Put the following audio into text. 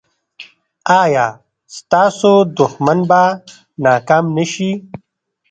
ایا ستاسو دښمن به ناکام نه شي؟